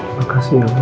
terima kasih ya mama